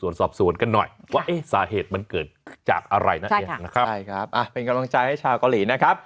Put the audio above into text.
มิตเตอร์หรือเปล่า